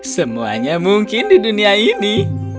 semuanya mungkin di dunia ini